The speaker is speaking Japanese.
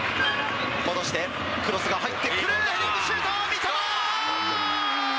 戻して、クロスが入って、ヘディングシュート、三笘！